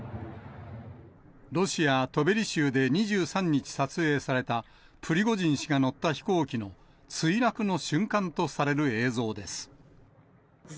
ロシア・トベリ州で２３日撮影された、プリゴジン氏が乗った飛行機の墜落の瞬間とされる映像です。